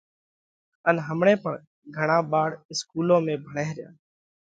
ان همڻئہ پڻ گھڻا ٻاۯ اِسڪُولون ۾ ڀڻئه ريا۔